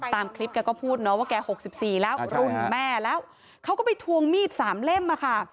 ตามคลิปแกก็พูดเนาะว่าแก๖๔แล้วรุ่นแม่แล้วเขาก็ไปทวงมีดสามเล่มมาค่ะ